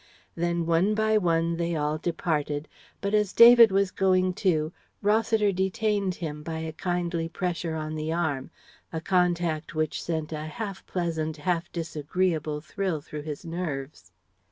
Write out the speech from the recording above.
Then one by one they all departed; but as David was going too Rossiter detained him by a kindly pressure on the arm a contact which sent a half pleasant, half disagreeable thrill through his nerves.